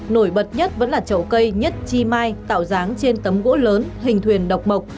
nổi bật nhất vẫn là trậu cây nhất chi mai tạo dáng trên tấm gỗ lớn hình thuyền độc mộc